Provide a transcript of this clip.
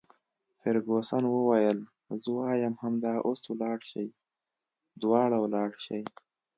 فرګوسن وویل: زه وایم همدا اوس ولاړ شئ، دواړه ولاړ شئ.